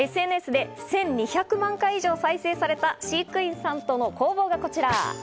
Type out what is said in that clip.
ＳＮＳで１２００万回以上再生された飼育員さんとの攻防がこちら。